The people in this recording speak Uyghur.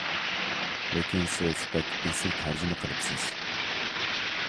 لېكىن سىز بەك ئېسىل تەرجىمە قىلىپسىز.